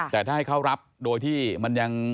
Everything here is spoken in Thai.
แต่ถ้าให้เขารับโดยที่มันยัง